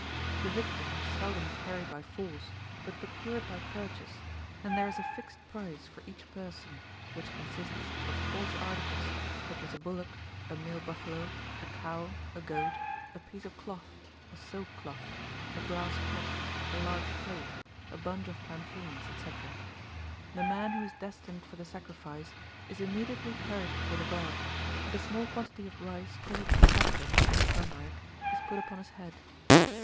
The victim is seldom carried by force, but procured by purchase, and there is a fixed price for each person, which consists of forty articles such as a bullock, a male buffalo, a cow, a goat, a piece of cloth, a silk cloth, a brass pot, a large plate, a bunch of plantains, etc. The man who is destined for the sacrifice is immediately carried before the god, and a small quantity of rice coloured with saffron (turmeric) is put upon his head.